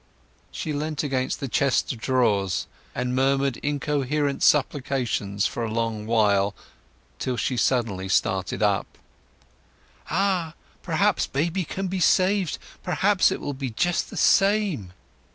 She leant against the chest of drawers, and murmured incoherent supplications for a long while, till she suddenly started up. "Ah! perhaps baby can be saved! Perhaps it will be just the same!"